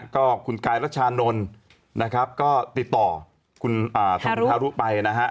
ก็คุณกายรัชานนลนะครับก็ติดต่อคุณฮารุไปนะฮะ